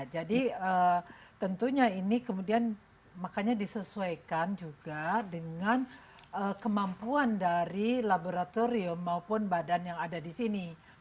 jadi tentunya ini kemudian makanya disesuaikan juga dengan kemampuan dari laboratorium maupun badan yang ada di sini